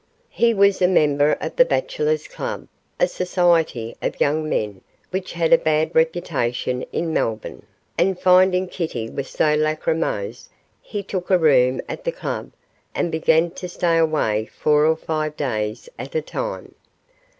He was a member of the Bachelor's Club, a society of young men which had a bad reputation in Melbourne, and finding Kitty was so lachrymose, he took a room at the Club, and began to stay away four or five days at a time.